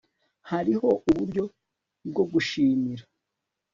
hariho uburyo bwo gushimira